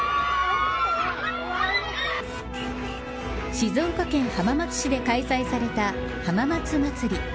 静岡県、浜松市で開催された浜松まつり。